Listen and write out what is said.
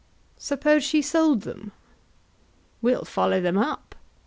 "Suppose she sold them?" "We'll follow them up.